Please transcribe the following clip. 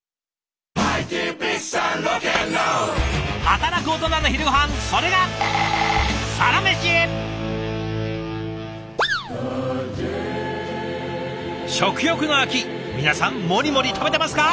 働くオトナの昼ごはんそれが食欲の秋皆さんもりもり食べてますか？